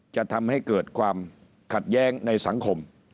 จะทำให้เกิดความขัดแย้งในสังคม